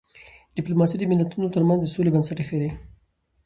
ډيپلوماسي د ملتونو ترمنځ د سولي بنسټ ایښی دی.